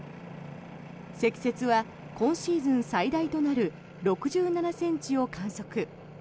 積雪は今シーズン最大となる６７ｃｍを観測。